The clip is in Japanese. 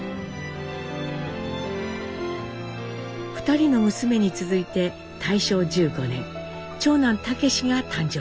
２人の娘に続いて大正１５年長男武が誕生します。